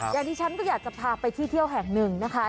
อย่างที่ฉันก็อยากจะพาไปที่เที่ยวแห่งหนึ่งนะคะ